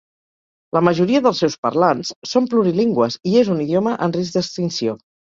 La majoria dels seus parlants són plurilingües i és un idioma en risc d'extinció.